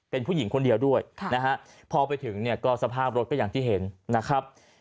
เป็นผู้หญิงคนเดียวด้วยนะฮะพอไปถึงเนี่ยก็สภาพรถก็อย่างที่เห็นนะครับ